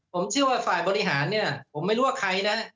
ผมเชื่อว่าฝ่ายบริหารเนี่ยผมไม่รู้ว่าใครนะ